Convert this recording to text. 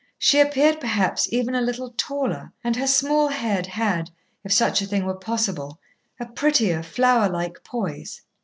She appeared, perhaps, even a little taller, and her small head had, if such a thing were possible, a prettier flower like poise.